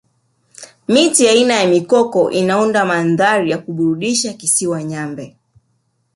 miti aina ya mikoko inaunda mandhari ya kuburudisha kisiwani nyambe